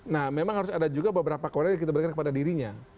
nah memang harus ada juga beberapa korea yang kita berikan kepada dirinya